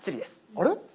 あれ？